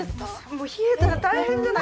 もう冷えたら大変じゃない。